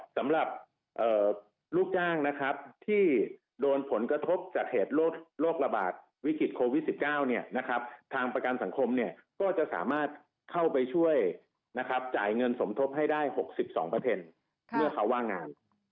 สำหรับลูกจ้างนะครับที่โดนผลกระทบจากเหตุโรคระบาดวิกฤตโควิด๑๙ทางประกันสังคมเนี่ยก็จะสามารถเข้าไปช่วยนะครับจ่ายเงินสมทบให้ได้๖๒เมื่อเขาว่างงาน